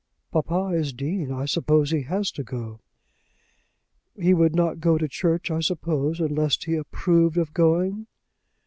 "Papa is Dean. I suppose he has to go." "He would not go to church, I suppose, unless he approved of going."